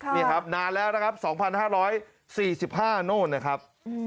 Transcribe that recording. นี่ครับนานแล้วนะครับ๒๕๔๕โน่นนะครับ